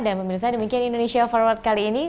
dan pemirsa demikian indonesia forward kali ini